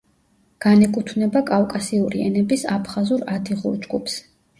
განეკუთვნება კავკასიური ენების აფხაზურ-ადიღურ ჯგუფს.